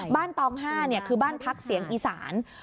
บ้านตองห้าคือบ้านพักเสียงอีสาน